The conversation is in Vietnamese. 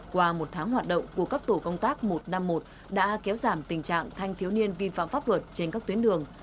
qua một tháng hoạt động của các tổ công tác một trăm năm mươi một đã kéo giảm tình trạng thanh thiếu niên vi phạm pháp luật trên các tuyến đường